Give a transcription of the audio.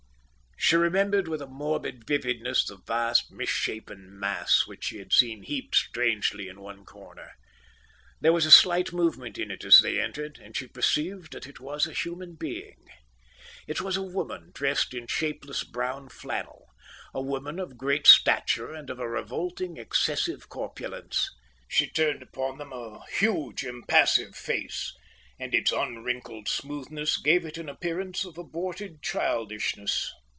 She remembered with a morbid vividness the vast misshapen mass which she had seen heaped strangely in one corner. There was a slight movement in it as they entered, and she perceived that it was a human being. It was a woman, dressed in shapeless brown flannel; a woman of great stature and of a revolting, excessive corpulence. She turned upon them a huge, impassive face; and its unwrinkled smoothness gave it an appearance of aborted childishness.